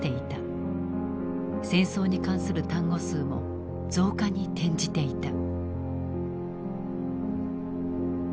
戦争に関する単語数も増加に転じていた。